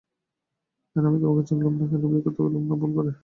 কেন আমি তোমাকে চিনলুম না, কেন বিয়ে করতে গেলুম ভুল করে।